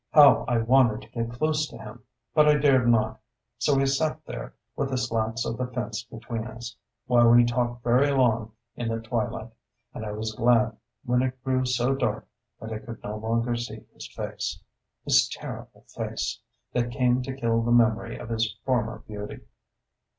How I wanted to get close to him! but I dared not; so we sat there with the slats of the fence between us, while we talked very long in the twilight; and I was glad when it grew so dark that I could no longer see his face, his terrible face, that came to kill the memory of his former beauty.